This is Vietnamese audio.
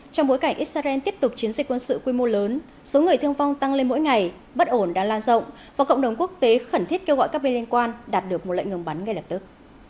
trong bối cảnh israel tiếp tục chiến dịch quân sự quy mô lớn số người thương vong tăng lên mỗi ngày bất ổn đang lan rộng và cộng đồng quốc tế khẩn thiết kêu gọi các bên liên quan đạt được một lệnh ngừng bắn ngay lập tức